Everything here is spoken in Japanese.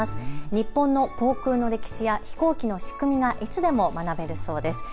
日本の航空の歴史や飛行機の仕組みがいつでも学べるそうです。